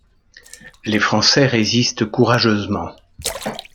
Les Français résistent courageusement.